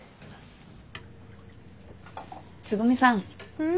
つぐみさん。